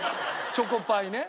チョコパイね。